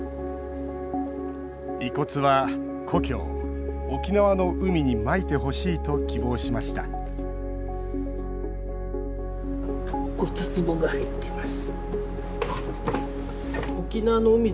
遺骨は、故郷、沖縄の海にまいてほしいと希望しましたが入っています。